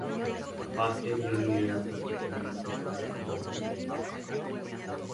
Aparte, Johnny era perfectamente proporcionado y además apuesto.